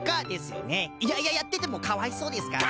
いやいややっててもかわいそうですから。